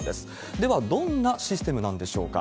では、どんなシステムなんでしょうか。